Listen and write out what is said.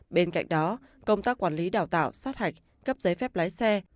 bên cạnh đó công tác quản lý đào tạo sát hạch cấp giấy phép lái xe